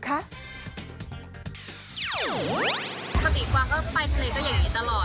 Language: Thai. ปกติกวางก็ไปทะเลก็อย่างนี้ตลอด